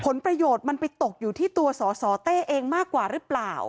ผลประโยชน์มันไปตกอยู่ที่ตัวสสเต้เองมากกว่าหรือเปล่า